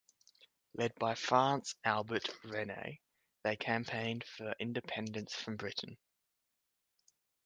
Led by France Albert Rene, they campaigned for independence from Britain.